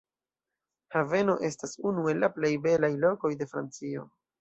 Haveno estas unu el la plej belaj lokoj de Francio.